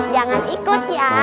jangan ikut ya